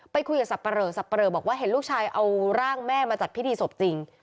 ไปคุยกับสับปะเหลอสับปะเลอบอกว่าเห็นลูกชายเอาร่างแม่มาจัดพิธีศพจริง